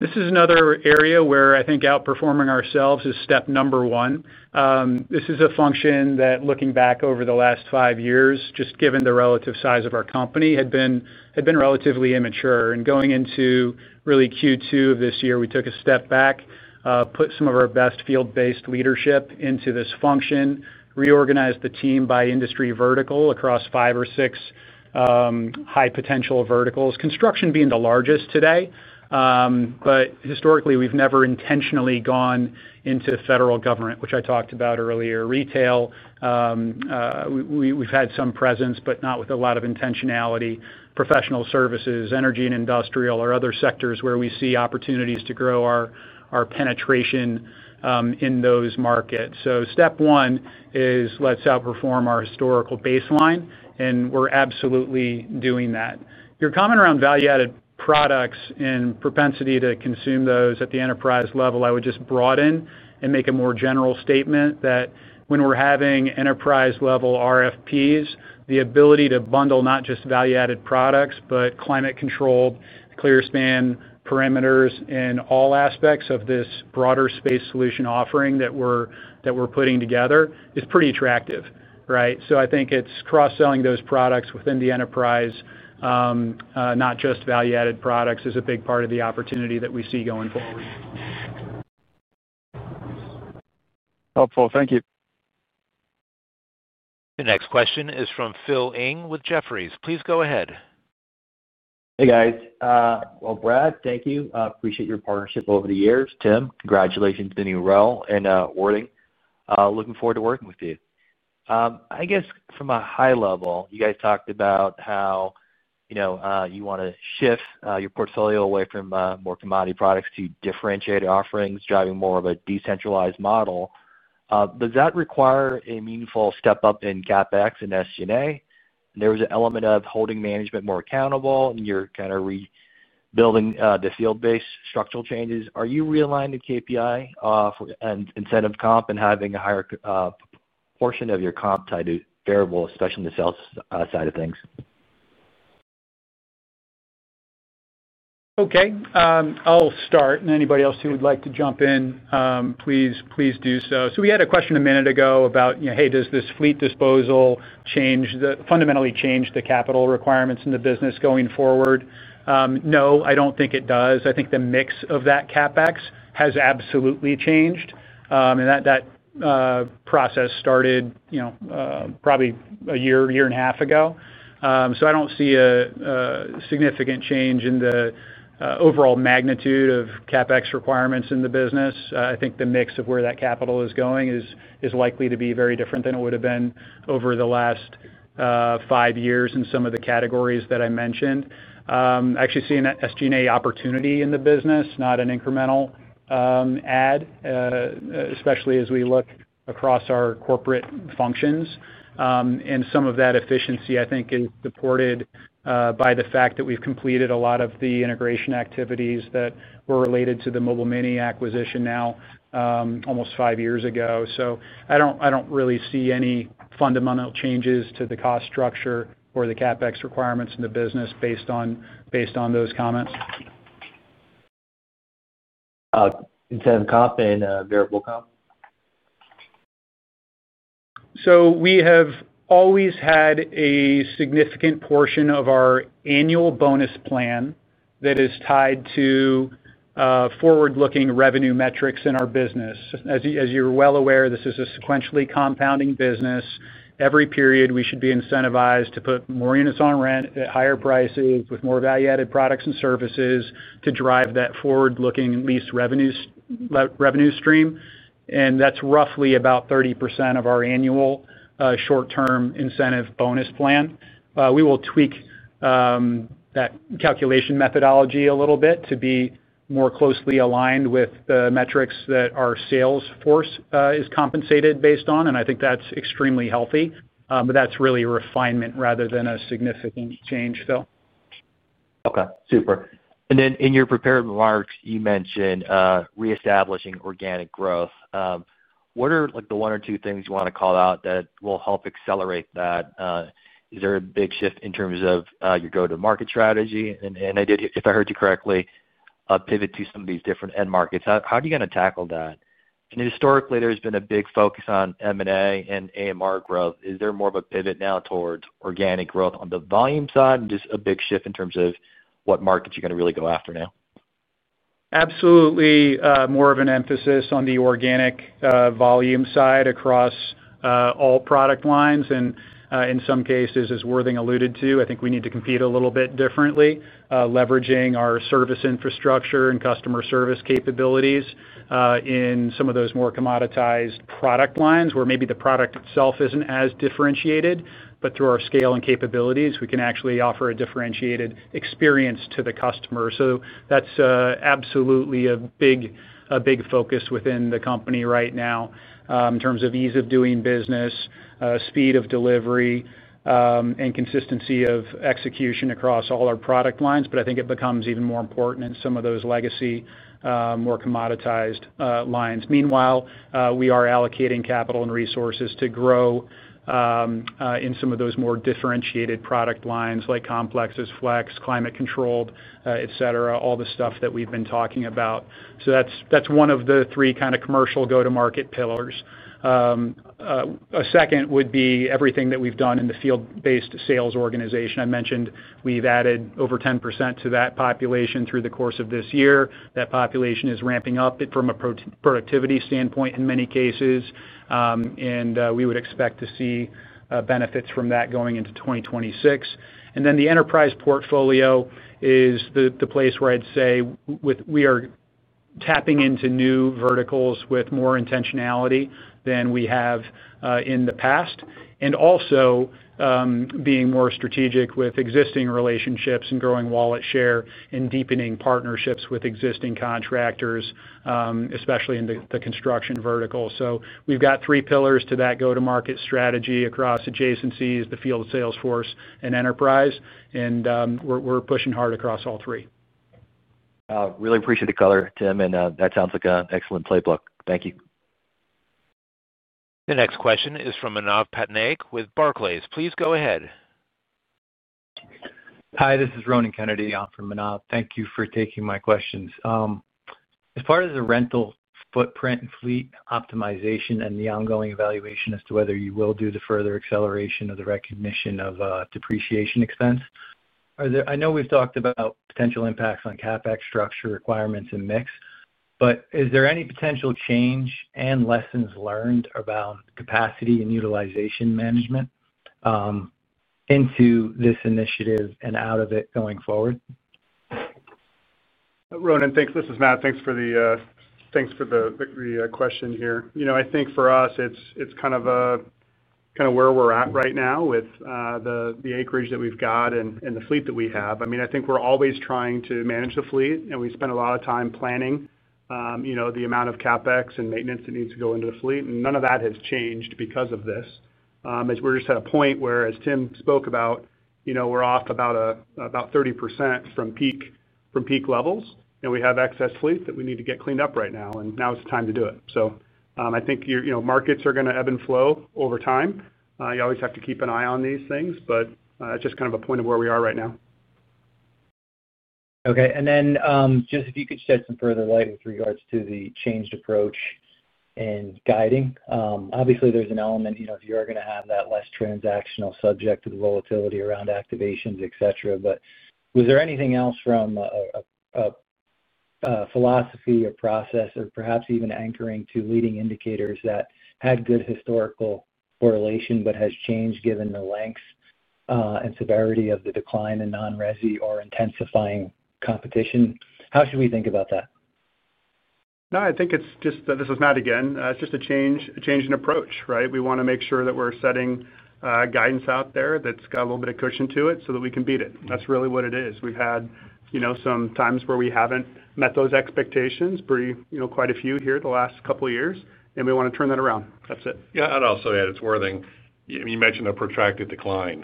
This is another area where I think outperforming ourselves is step number one. This is a function that, looking back over the last five years, just given the relative size of our company, had been relatively immature. Going into really Q2 of this year, we took a step back. Put some of our best field-based leadership into this function, reorganized the team by industry vertical across five or six high potential verticals. Construction being the largest today. Historically, we've never intentionally gone into federal government, which I talked about earlier. Retail, we've had some presence, but not with a lot of intentionality. Professional services, energy and industrial, or other sectors where we see opportunities to grow our penetration in those markets. Step one is let's outperform our historical baseline. We're absolutely doing that. Your comment around value-added products and propensity to consume those at the enterprise level, I would just broaden and make a more general statement that when we're having enterprise-level RFPs, the ability to bundle not just value-added products, but climate-controlled, Clearspan, Perimeter Solutions in all aspects of this broader space solution offering that we're putting together is pretty attractive, right? I think it's cross-selling those products within the enterprise, not just value-added products, is a big part of the opportunity that we see going forward. Helpful. Thank you. The next question is from Phil Ng with Jefferies. Please go ahead. Hey, guys. Brad, thank you. Appreciate your partnership over the years. Tim, congratulations to New Rel and Worthing. Looking forward to working with you. I guess from a high level, you guys talked about how you want to shift your portfolio away from more commodity products to differentiated offerings, driving more of a decentralized model. Does that require a meaningful step up in CapEx and SG&A? There was an element of holding management more accountable, and you're kind of rebuilding the field-based structural changes. Are you realigned to KPI and incentive comp and having a higher portion of your comp tied to variable, especially in the sales side of things? Okay. I'll start. Anybody else who would like to jump in, please do so. We had a question a minute ago about, "Hey, does this fleet disposal fundamentally change the capital requirements in the business going forward?" No, I don't think it does. I think the mix of that CapEx has absolutely changed. That process started probably a year, year and a half ago. I don't see a significant change in the overall magnitude of CapEx requirements in the business. I think the mix of where that capital is going is likely to be very different than it would have been over the last five years in some of the categories that I mentioned. Actually seeing that SG&A opportunity in the business, not an incremental add, especially as we look across our corporate functions. Some of that efficiency, I think, is supported by the fact that we've completed a lot of the integration activities that were related to the Mobile Mini acquisition now, almost five years ago. I don't really see any fundamental changes to the cost structure or the CapEx requirements in the business based on those comments. Incentive comp and variable comp? We have always had a significant portion of our annual bonus plan that is tied to forward-looking revenue metrics in our business. As you're well aware, this is a sequentially compounding business. Every period, we should be incentivized to put more units on rent at higher prices with more value-added products and services to drive that forward-looking lease revenue stream. That is roughly about 30% of our annual short-term incentive bonus plan. We will tweak that calculation methodology a little bit to be more closely aligned with the metrics that our sales force is compensated based on. I think that is extremely healthy. That is really a refinement rather than a significant change, Phil. Okay. Super. In your prepared remarks, you mentioned reestablishing organic growth. What are the one or two things you want to call out that will help accelerate that? Is there a big shift in terms of your go-to-market strategy? If I heard you correctly, a pivot to some of these different end markets. How are you going to tackle that? Historically, there has been a big focus on M&A and AMR growth. Is there more of a pivot now towards organic growth on the volume side? Just a big shift in terms of what markets you are going to really go after now? Absolutely. More of an emphasis on the organic volume side across all product lines. In some cases, as Worthing alluded to, I think we need to compete a little bit differently, leveraging our service infrastructure and customer service capabilities. In some of those more commoditized product lines where maybe the product itself is not as differentiated, through our scale and capabilities, we can actually offer a differentiated experience to the customer. That is absolutely a big focus within the company right now in terms of ease of doing business, speed of delivery, and consistency of execution across all our product lines. I think it becomes even more important in some of those legacy, more commoditized lines. Meanwhile, we are allocating capital and resources to grow in some of those more differentiated product lines like complexes, FLEX, climate-controlled, etc., all the stuff that we have been talking about. That's one of the three kind of commercial go-to-market pillars. A second would be everything that we've done in the field-based sales organization. I mentioned we've added over 10% to that population through the course of this year. That population is ramping up from a productivity standpoint in many cases. We would expect to see benefits from that going into 2026. The enterprise portfolio is the place where I'd say we are tapping into new verticals with more intentionality than we have in the past. Also, being more strategic with existing relationships and growing wallet share and deepening partnerships with existing contractors, especially in the construction vertical. We've got three pillars to that go-to-market strategy across adjacencies, the field sales force, and enterprise. We're pushing hard across all three. Really appreciate the color, Tim. That sounds like an excellent playbook. Thank you. The next question is from Manav Patnaik with Barclays. Please go ahead. Hi, this is Ronan Kennedy from Manav. Thank you for taking my questions. As far as the rental footprint and fleet optimization and the ongoing evaluation as to whether you will do the further acceleration of the recognition of depreciation expense, I know we've talked about potential impacts on CapEx structure requirements and mix, but is there any potential change and lessons learned around capacity and utilization management. Into this initiative and out of it going forward? Ronan, thanks. This is Matt. Thanks for the question here. I think for us, it is kind of where we are at right now with the acreage that we have got and the fleet that we have. I mean, I think we are always trying to manage the fleet. We spend a lot of time planning the amount of CapEx and maintenance that needs to go into the fleet. None of that has changed because of this. We are just at a point where, as Tim spoke about, we are off about 30% from peak levels. We have excess fleet that we need to get cleaned up right now. Now it is time to do it. I think markets are going to ebb and flow over time. You always have to keep an eye on these things. It is just kind of a point of where we are right now. Okay. If you could shed some further light with regards to the changed approach in guiding. Obviously, there's an element if you are going to have that less transactional subject to the volatility around activations, etc. Was there anything else from a philosophy or process, or perhaps even anchoring to leading indicators that had good historical correlation but has changed given the length and severity of the decline in nonres or intensifying competition? How should we think about that? No, I think it's just—this is Matt again—it's just a change in approach, right? We want to make sure that we're setting guidance out there that's got a little bit of cushion to it so that we can beat it. That's really what it is. We've had some times where we haven't met those expectations, quite a few here the last couple of years. We want to turn that around. That's it. Yeah. I'd also add it's Worthing. You mentioned a protracted decline.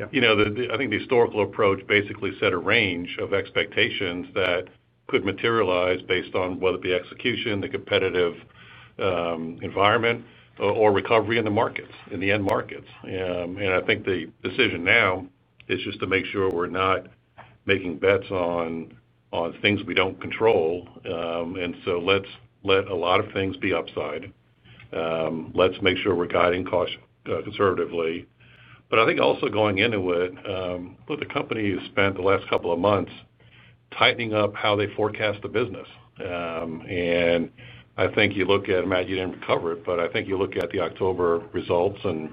I think the historical approach basically set a range of expectations that could materialize based on whether it be execution, the competitive environment, or recovery in the markets, in the end markets. I think the decision now is just to make sure we're not making bets on things we don't control. Let's let a lot of things be upside. Let's make sure we're guiding costs conservatively. I think also going into it, the company has spent the last couple of months tightening up how they forecast the business. I think you look at—and Matt, you didn't cover it—but I think you look at the October results and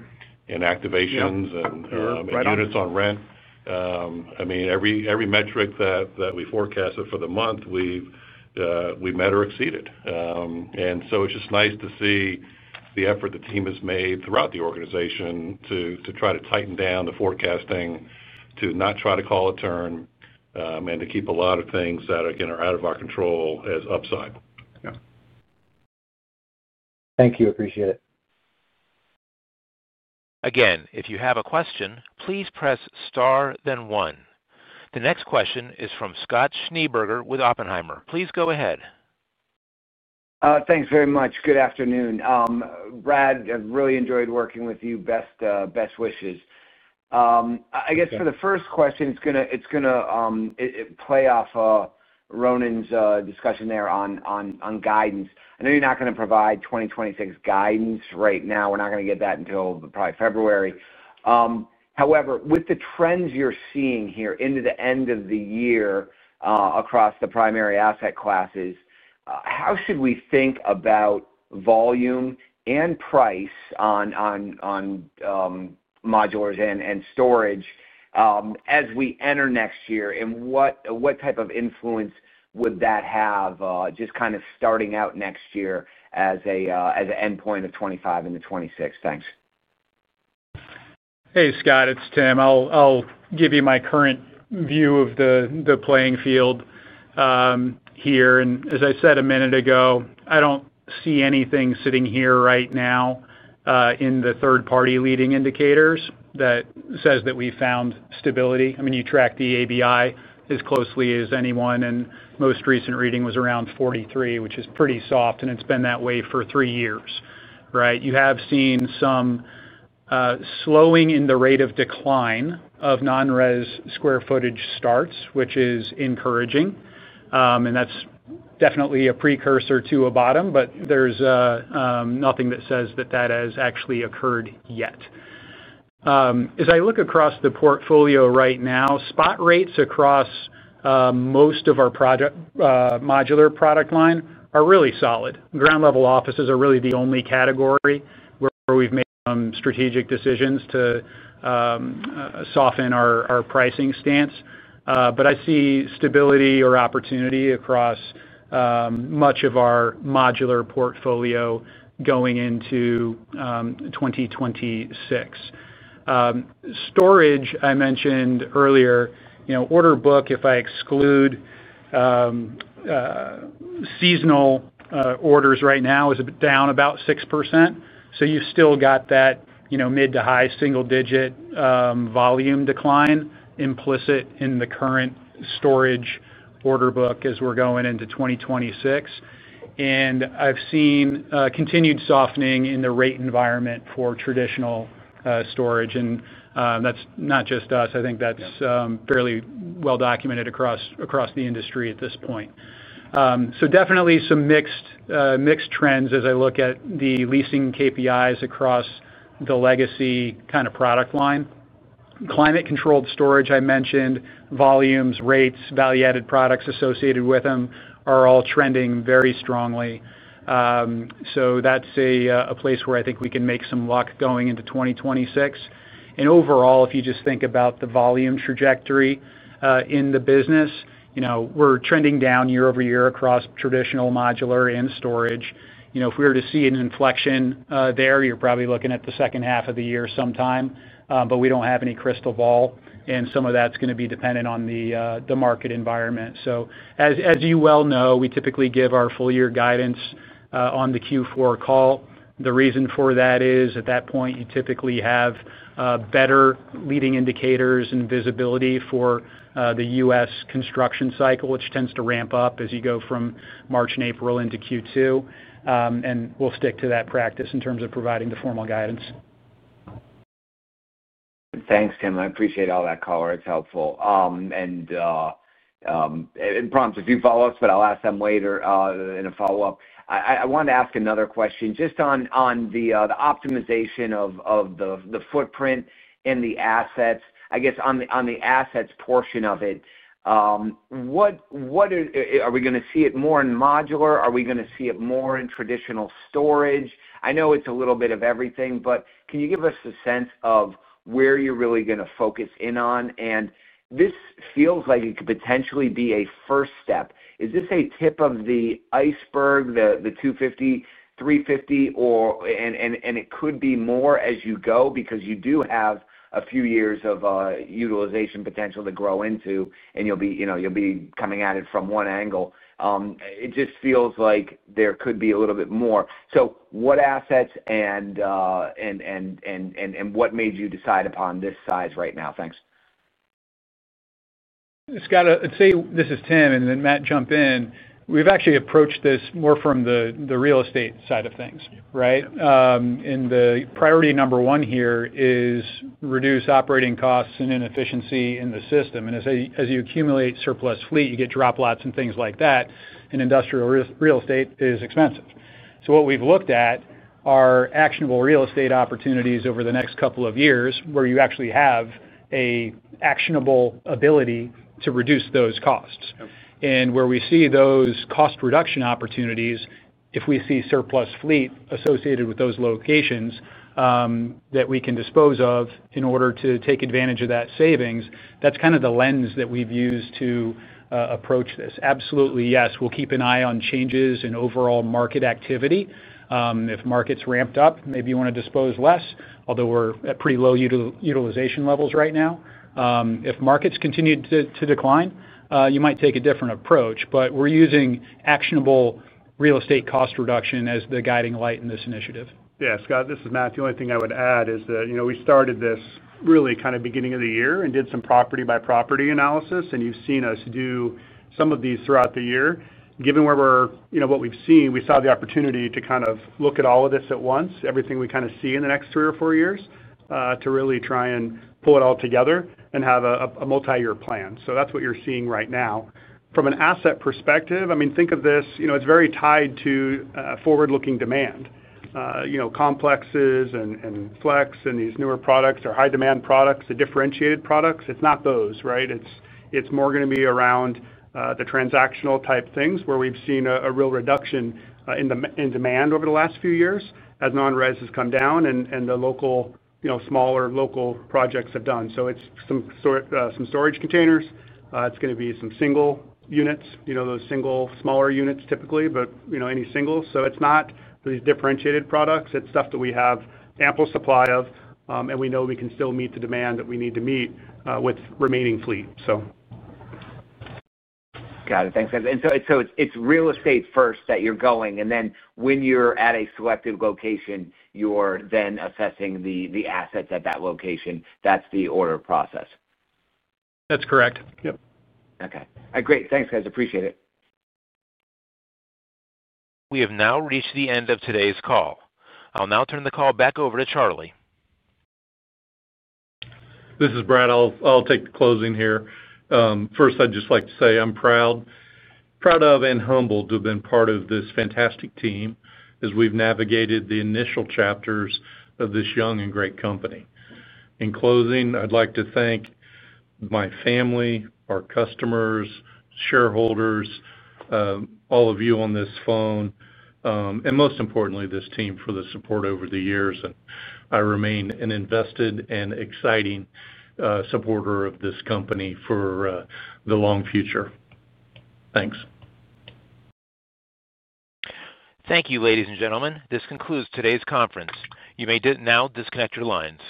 activations and units on rent. I mean, every metric that we forecasted for the month, we met or exceeded. It's just nice to see the effort the team has made throughout the organization to try to tighten down the forecasting, to not try to call a turn, and to keep a lot of things that are out of our control as upside. Thank you. Appreciate it. Again, if you have a question, please press star, then one. The next question is from Scott Schneeberger with Oppenheimer. Please go ahead. Thanks very much. Good afternoon. Brad, I've really enjoyed working with you. Best wishes. I guess for the first question, it's going to play off Ronan's discussion there on guidance. I know you're not going to provide 2026 guidance right now. We're not going to get that until probably February. However, with the trends you're seeing here into the end of the year across the primary asset classes, how should we think about volume and price on modulars and storage as we enter next year? And what type of influence would that have, just kind of starting out next year as an endpoint of 2025 into 2026? Thanks. Hey, Scott, it's Tim. I'll give you my current view of the playing field here. As I said a minute ago, I don't see anything sitting here right now in the third-party leading indicators that says that we found stability. I mean, you track the ABI as closely as anyone, and the most recent reading was around 43, which is pretty soft. It's been that way for three years, right? You have seen some slowing in the rate of decline of nonres square footage starts, which is encouraging, and that's definitely a precursor to a bottom. There's nothing that says that that has actually occurred yet. As I look across the portfolio right now, spot rates across most of our modular product line are really solid. Ground-level offices are really the only category where we've made some strategic decisions to soften our pricing stance. I see stability or opportunity across much of our modular portfolio going into 2026. Storage, I mentioned earlier, order book, if I exclude seasonal orders right now, is down about 6%. You still have that mid to high single-digit volume decline implicit in the current storage order book as we are going into 2026. I have seen continued softening in the rate environment for traditional storage. That is not just us. I think that is fairly well documented across the industry at this point. There are definitely some mixed trends as I look at the leasing KPIs across the legacy kind of product line. Climate-controlled storage, I mentioned, volumes, rates, value-added products associated with them are all trending very strongly. That is a place where I think we can make some luck going into 2026. Overall, if you just think about the volume trajectory in the business. We're trending down year-over-year across traditional modular and storage. If we were to see an inflection there, you're probably looking at the second half of the year sometime. We don't have any crystal ball. Some of that's going to be dependent on the market environment. As you well know, we typically give our full-year guidance on the Q4 call. The reason for that is, at that point, you typically have better leading indicators and visibility for the U.S. construction cycle, which tends to ramp up as you go from March and April into Q2. We'll stick to that practice in terms of providing the formal guidance. Thanks, Tim. I appreciate all that call. It's helpful. It prompts a few follow-ups, but I'll ask them later in a follow-up. I wanted to ask another question just on the optimization of the footprint and the assets. I guess on the assets portion of it. Are we going to see it more in modular? Are we going to see it more in traditional storage? I know it's a little bit of everything, but can you give us a sense of where you're really going to focus in on? This feels like it could potentially be a first step. Is this a tip of the iceberg, the 250-350? It could be more as you go because you do have a few years of utilization potential to grow into, and you'll be coming at it from one angle. It just feels like there could be a little bit more. What assets and what made you decide upon this size right now? Thanks. Scott, I'd say this is Tim, and then Matt jump in. We've actually approached this more from the real estate side of things, right? The priority number one here is reduce operating costs and inefficiency in the system. As you accumulate surplus fleet, you get dropouts and things like that. Industrial real estate is expensive. What we've looked at are actionable real estate opportunities over the next couple of years where you actually have an actionable ability to reduce those costs. Where we see those cost reduction opportunities, if we see surplus fleet associated with those locations that we can dispose of in order to take advantage of that savings, that's kind of the lens that we've used to approach this. Absolutely, yes. We'll keep an eye on changes in overall market activity. If markets ramped up, maybe you want to dispose less, although we're at pretty low utilization levels right now. If markets continue to decline, you might take a different approach. We're using actionable real estate cost reduction as the guiding light in this initiative. Yeah. Scott, this is Matt. The only thing I would add is that we started this really kind of beginning of the year and did some property-by-property analysis. You've seen us do some of these throughout the year. Given what we've seen, we saw the opportunity to kind of look at all of this at once, everything we kind of see in the next three or four years, to really try and pull it all together and have a multi-year plan. That's what you're seeing right now. From an asset perspective, I mean, think of this: it's very tied to forward-looking demand. Complexes and FLEX and these newer products are high-demand products, the differentiated products. It's not those, right? It's more going to be around the transactional type things where we've seen a real reduction in demand over the last few years as nonres has come down and the smaller local projects have done. It's some storage containers. It's going to be some single units, those single smaller units typically, but any single. It's not these differentiated products. It's stuff that we have ample supply of, and we know we can still meet the demand that we need to meet with remaining fleet. Got it. Thanks, guys. It's real estate first that you're going, and then when you're at a selected location, you're then assessing the assets at that location. That's the order process. That's correct. Yep. Okay. All right. Great. Thanks, guys. Appreciate it. We have now reached the end of today's call. I'll now turn the call back over to Charlie. This is Brad. I'll take the closing here. First, I'd just like to say I'm proud. Proud of and humbled to have been part of this fantastic team as we've navigated the initial chapters of this young and great company. In closing, I'd like to thank my family, our customers, shareholders, all of you on this phone, and most importantly, this team for the support over the years. I remain an invested and exciting supporter of this company for the long future. Thanks. Thank you, ladies and gentlemen. This concludes today's conference. You may now disconnect your lines.